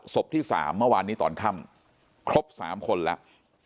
ที่๓เมื่อวานนี้ตอนค่ำครบ๓คนแล้ว